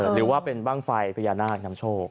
หรือว่าเป็นบ้างไฟพญานาคนำโชค